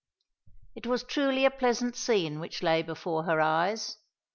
It was truly a pleasant scene which lay before her eyes.